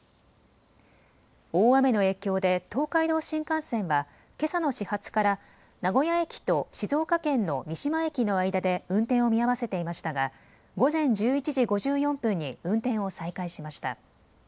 大雨の影響で東海道新幹線はけさの始発から名古屋駅と静岡県の三島駅の間で運転を見合わせていましたが午前１１時５４分に運転を再開しました。